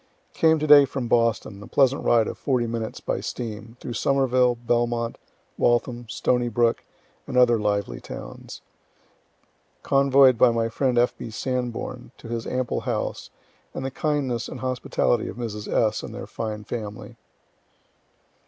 Came to day from Boston, (a pleasant ride of 40 minutes by steam, through Somerville, Belmont, Waltham, Stony Brook, and other lively towns,) convoy'd by my friend F. B. Sanborn, and to his ample house, and the kindness and hospitality of Mrs. S. and their fine family.